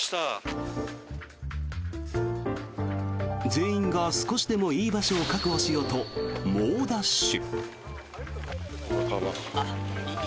全員が少しでもいい場所を確保しようと猛ダッシュ。